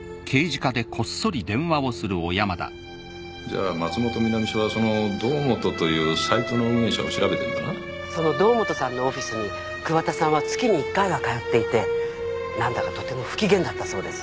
ええじゃあ松本南署はその堂本というサイトの運営者を調べてんだなその堂本さんのオフィスに桑田さんは月に一回は通っていてなんだかとても不機嫌だったそうです